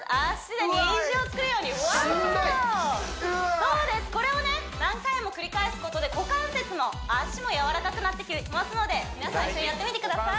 そうですこれをね何回も繰り返すことで股関節の脚も柔らかくなってきますので皆さん一緒にやってみてください